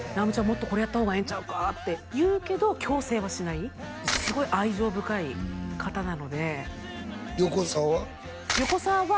もっとこれやった方がええんちゃうか」って言うけど強制はしないすごい愛情深い方なので横澤は？